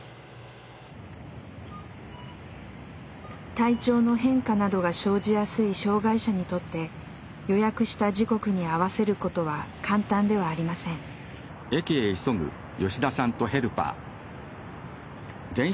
体調の変化などが生じやすい障害者にとって予約した時刻に合わせることは簡単ではありません。